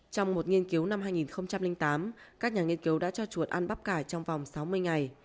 trong một nghiên cứu năm hai nghìn tám các nhà nghiên cứu đã cho chuột ăn bắp cải trong vòng sáu mươi ngày